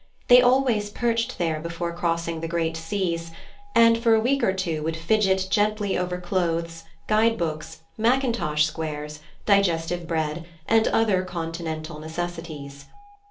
They always perched there before crossing the great seas, and for a week or two would fidget gently over clothes, guide books, mackintosh squares, digestive bread, and other Continental necessaries.